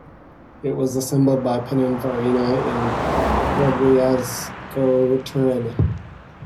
It was assembled by Pininfarina in Grugliasco, Turin.